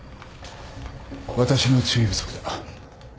私の注意不足だ。